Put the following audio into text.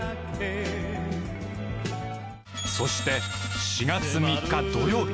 そして４月３日土曜日。